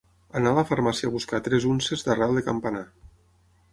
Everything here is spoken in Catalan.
Anar a la farmàcia a buscar tres unces d'arrel de campanar.